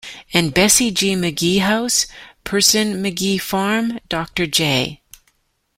and Bessie G. McGhee House, Person-McGhee Farm, Dr. J.